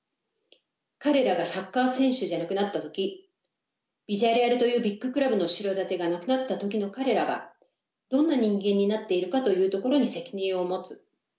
彼らがサッカー選手じゃなくなった時ビジャレアルというビッグクラブの後ろ盾がなくなった時の彼らがどんな人間になっているかというところに責任を持つ。